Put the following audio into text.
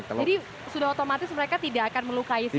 jadi sudah otomatis mereka tidak akan melukai siapapun ya